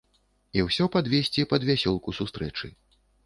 І ўсё падвесці пад вясёлку сустрэчы.